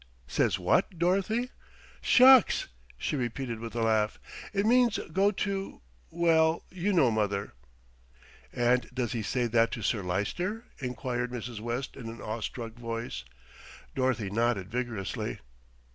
'" "Says what, Dorothy?" "Shucks!" she repeated with a laugh, "it means go to well, you know, mother." "And does he say that to Sir Lyster?" enquired Mrs. West in awe struck voice. Dorothy nodded vigorously.